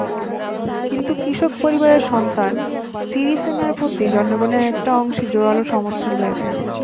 কিন্তু কৃষক পরিবারের সন্তান সিরিসেনার প্রতি জনগণের একটা অংশের জোরালো সমর্থন রয়েছে।